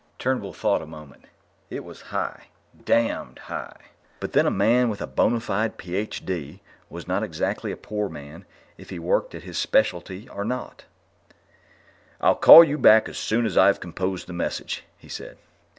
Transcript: Turnbull thought a moment. It was high damned high. But then a man with a bona fide Ph. D. was not exactly a poor man if he worked at his specialty or taught. "I'll call you back as soon as I've composed the message," he said.